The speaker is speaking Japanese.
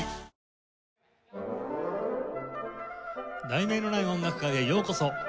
『題名のない音楽会』へようこそ。